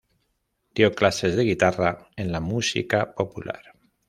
Dio clases de guitarra en la música popular.